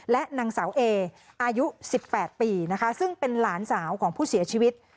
และนางสาวเออายุ๑๘ปีนะคะซึ่งเป็นหลานสาวของผู้เสียชีวิต